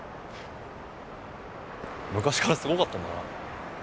昔からすごかったんだな。